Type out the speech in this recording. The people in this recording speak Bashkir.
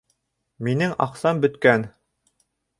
Минең аҡсам бөткән.